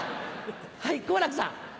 はい好楽さん。